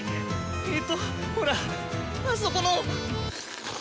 えとほらあそこの。